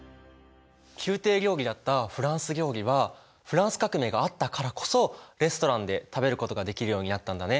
宮廷料理だったフランス料理はフランス革命があったからこそレストランで食べることができるようになったんだね。